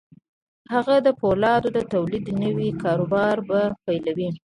هغه د پولادو د تولید نوی کاروبار به پیلوي